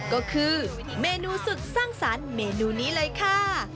ก็คือเมนูสุดสร้างสรรค์เมนูนี้เลยค่ะ